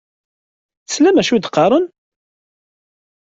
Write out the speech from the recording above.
Teslam d acu i d-qqaṛen?